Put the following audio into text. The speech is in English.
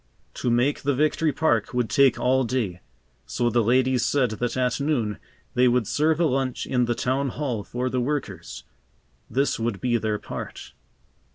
To make the Victory Park would take all day, so the ladies said that at noon they would serve a lunch in the Town Hall for the workers. This would be their part.